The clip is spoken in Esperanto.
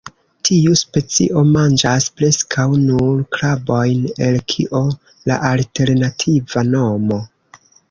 Tiu specio manĝas preskaŭ nur krabojn, el kio la alternativa nomo.